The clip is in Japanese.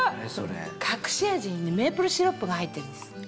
隠し味にメープルシロップが入ってるんです。